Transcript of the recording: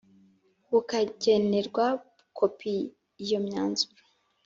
bukagenerwa kopi Iyo myanzuro